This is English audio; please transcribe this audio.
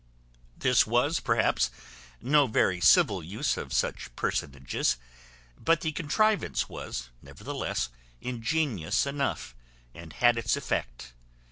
This was, perhaps, no very civil use of such personages: but the contrivance was, nevertheless, ingenious enough, and had its effect.